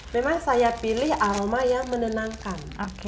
memang saya pilih aroma yang menenangkan